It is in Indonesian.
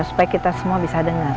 supaya kita semua bisa dengar